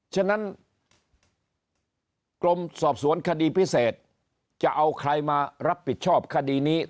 ฉะนั้นกรมสอบสวนคดีพิเศษจะเอาใครมารับผิดชอบคดีนี้